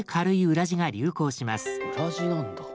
裏地なんだ。